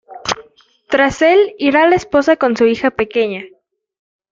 Tras el irá la esposa con su hija pequeña.